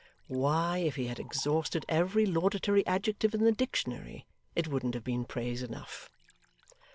Why, if he had exhausted every laudatory adjective in the dictionary, it wouldn't have been praise enough.